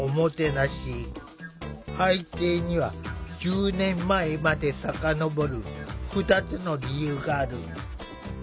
背景には１０年前まで遡る２つの理由がある。